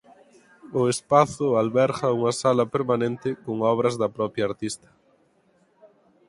O espazo alberga unha sala permanente con obras da propia artista.